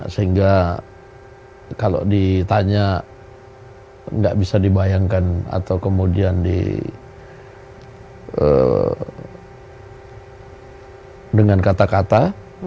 sehingga kalau ditanya nggak bisa dibayangkan atau kemudian dengan kata kata